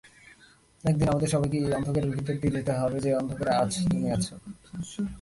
একদিন আমাদের সবাইকে এই অন্ধকারের ভিতর দিয়ে যেতে হবে যে অন্ধকারে আজ তুমি আছো।